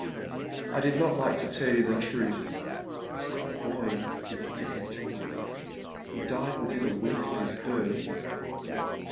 I did not like to tell you the truth. Our boy ia dead. He died within a week of his birth."